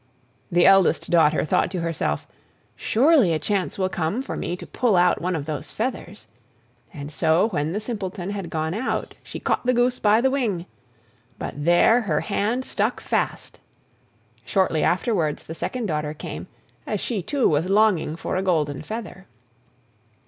The eldest daughter thought to herself, "Surely a chance will come for me to pull out one of those feathers"; and so when the Simpleton had gone out, she caught the goose by the wing. But there her hand stuck fast! Shortly afterwards the second daughter came, as she too was longing for a golden feather.